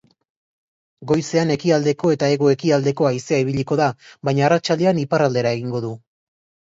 Goizean ekialdeko eta hego-ekialdeko haizea ibiliko da, baina arratsaldean iparraldera egingo du.